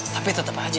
tapi tetap saja